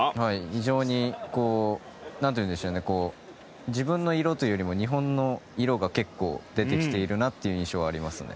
非常に自分の色というよりも日本の色が結構、出てきているなという印象がありますね。